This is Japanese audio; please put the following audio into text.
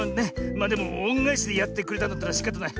まあでもおんがえしでやってくれたんだったらしかたない。